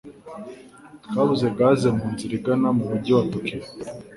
Twabuze gaze mu nzira igana mu mujyi wa Tokiyo.